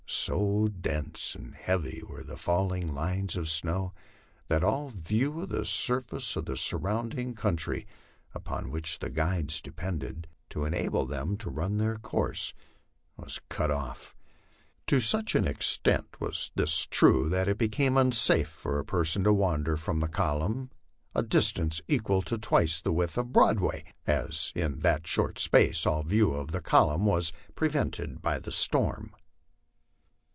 So dense and heavy were the falling lines of snow, that all view of the surface of the surrounding coun try, upon which the guides depended to enable them to run their course, was cut off. To such an extent was this true that it became unsafe for a person to wander from the column a distance equal to twice the width of Broadway, as LIFE ON THE PLAINS. 147 In that short space all view of the column was prevented by the storm.